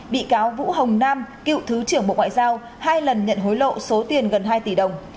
bị cáo vũ hồng nam cựu thứ trưởng bộ ngoại giao hai lần nhận hối lộ số tiền gần hai tỷ đồng